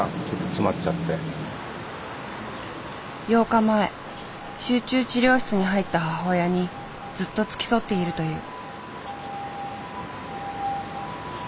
８日前集中治療室に入った母親にずっと付き添っているという。